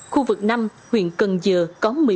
khu vực năm huyện cần dừa có một mươi một tuyến